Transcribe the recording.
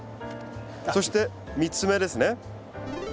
そして３つ目ですね。